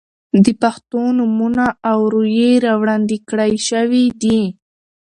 د پښتنو نومونه او روئيې را وړاندې کړے شوې دي.